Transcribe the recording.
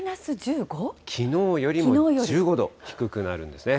きのうよりも１５度低くなるんですね。